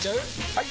・はい！